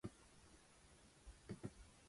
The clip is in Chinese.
晴川历历汉阳树，芳草萋萋鹦鹉洲。